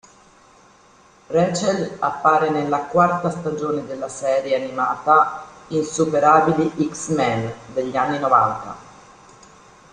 Rachel appare nella quarta stagione della serie animata "Insuperabili X-Men" degli anni Novanta.